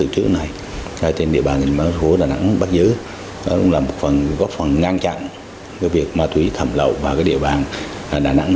công an thành phố đà nẵng